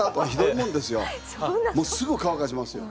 もうすぐ乾かしますよ。